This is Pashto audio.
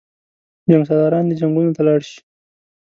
جنګسالاران دې جنګونو ته لاړ شي.